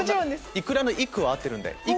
いくらの「いく」は合ってるんで。